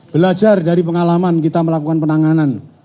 belajar dari pengalaman kita melakukan penanganan